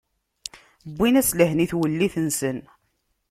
Wwin-as lehna i twellit-nsen.